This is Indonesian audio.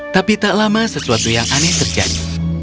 tapi tak lama sesuatu yang aneh terjadi